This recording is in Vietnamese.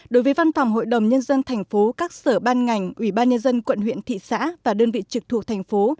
đối với văn phòng hội đồng nhân dân tp các sở ban ngành ubnd quận huyện thị xã và đơn vị trực thuộc thành phố